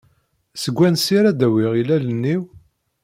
Seg wansi ara d-awiɣ ilalen-iw?